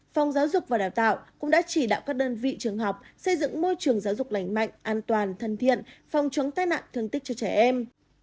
phòng giáo dục và đào tạo cũng đã chỉ đạo các đơn vị trường học xây dựng môi trường giáo dục lành mạnh an toàn thân thiện phòng chống tai nạn thương tích cho trẻ em